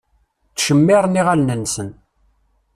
Ttcemmiṛen iɣallen-nsen.